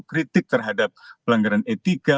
kritik terhadap pelanggaran etika